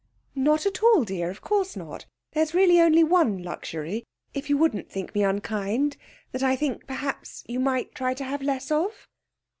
'Not at all, dear. Of course not. There's really only one luxury if you won't think me unkind that I think, perhaps, you might try to have less of.'